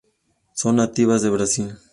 Son nativas de Brasil.